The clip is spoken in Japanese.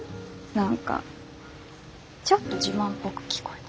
何かちょっと自慢っぽく聞こえた。